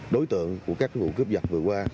đối tượng của các vụ cướp giật vừa qua